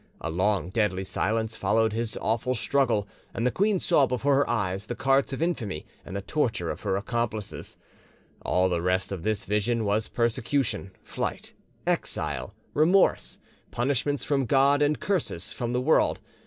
A long deadly silence followed his awful struggle, and the queen saw before her eyes the carts of infamy and the torture of her accomplices. All the rest of this vision was persecution, flight, exile, remorse, punishments from God and curses from the world.